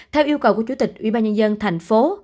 theo yêu cầu của chủ tịch ủy ban nhân dân thành phố